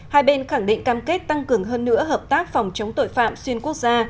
hai bên khẳng định cam kết tăng cường hơn nữa hợp tác phòng chống tội phạm xuyên quốc gia